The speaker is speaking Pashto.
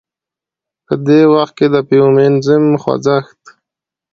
په دې وخت کې د فيمينزم خوځښت